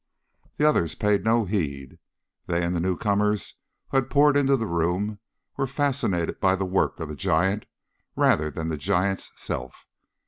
The others paid no heed. They and the newcomers who had poured into the room were fascinated by the work of the giant rather than the giant's self.